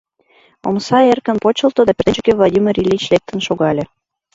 Омса эркын почылто да пӧртӧнчыкӧ Владимир Ильич лектын шогале.